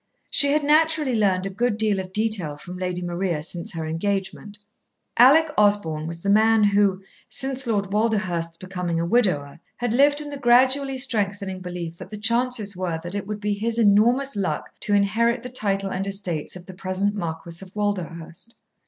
She had naturally learned a good deal of detail from Lady Maria since her engagement. Alec Osborn was the man who, since Lord Walderhurst's becoming a widower, had lived in the gradually strengthening belief that the chances were that it would be his enormous luck to inherit the title and estates of the present Marquis of Walderhurst.